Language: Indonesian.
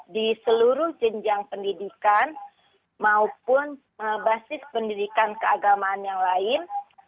di seluruh jenjang pendidikan maupun basis pendidikan keagamaan yang lain